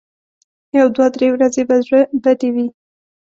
یو دوه درې ورځې به زړه بدې وي.